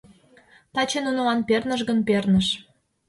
— Таче нунылан перныш гын, перныш.